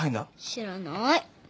知らない。